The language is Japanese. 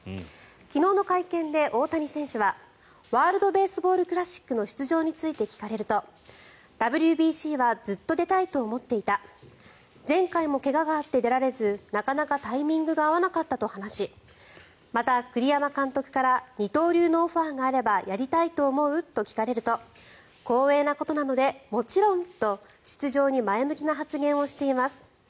昨日の会見で大谷選手はＷＢＣの出場について聞かれるとＷＢＣはずっと出たいと思っていた前回も怪我があって出られずなかなかタイミングが合わなかったと話しまた栗山監督から二刀流のオファーがあればやりたいと思う？と聞かれると光栄なことなのでもちろんと出場に前向きな発言をしています。